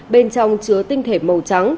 bên trong chứa tinh thể màu trắng